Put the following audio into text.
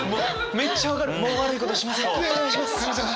めっちゃ分かる！